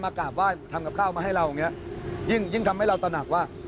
มากราบว่าทำกับข้าวมาให้เรายิ่งทำให้เราตะหนักว่า